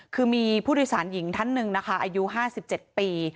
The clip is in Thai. คือมีผู้โดยสารหญิงท่านหนึ่งนะคะอายุ๕๗ปี